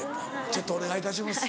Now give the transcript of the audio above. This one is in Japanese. ちょっとお願いいたします。